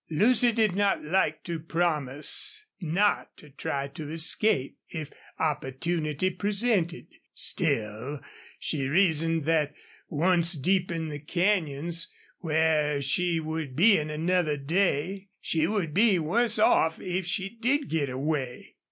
Lucy did not like to promise not to try to escape, if opportunity presented. Still, she reasoned, that once deep in the canyons, where she would be in another day, she would be worse off if she did get away.